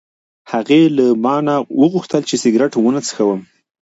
هغې له ما نه وغوښتل چې سګرټ ونه څښم.